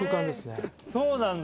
そうなんだ。